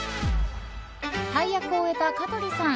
大役を終えた香取さん。